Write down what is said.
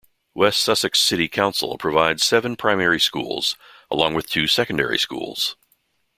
West Sussex County Council provides seven primary schools along with two secondary schools.